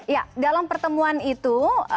ya dalam pertemuan itu